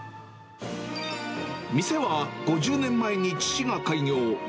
店は５０年前に父が開業。